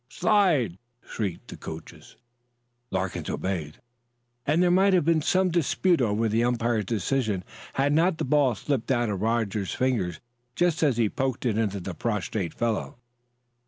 "Slide!" shrieked the coachers. Larkins obeyed, and there might have been some dispute over the umpire's decision had not the ball slipped out of Roger's fingers just as he poked it onto the prostrate fellow.